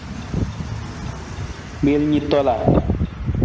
Miil ni tola.